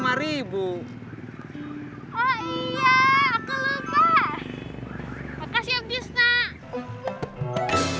aku mau ke rumah gebetan saya dulu